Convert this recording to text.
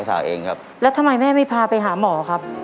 เองครับแล้วทำไมแม่ไม่พาไปหาหมอครับ